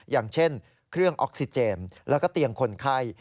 อย่างเช่นเครื่องออกซิเจนแล้วก็เตียงคนไข้